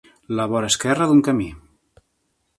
La vora esquerra d'un camí.